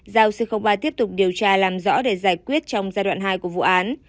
giao c ba tiếp tục điều tra làm rõ để giải quyết trong giai đoạn hai của vụ án